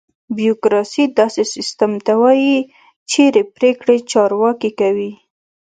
بیوروکراسي: داسې سیستم ته وایي چېرې پرېکړې چارواکي کوي.